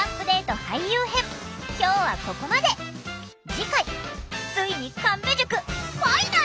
次回ついに神戸塾ファイナル！